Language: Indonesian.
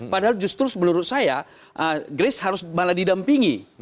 padahal justru menurut saya grace harus malah didampingi